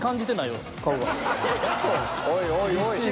おいおいおい。